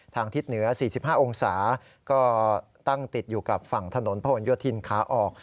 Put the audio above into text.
ทิศเหนือ๔๕องศาก็ตั้งติดอยู่กับฝั่งถนนพระหลโยธินขาออก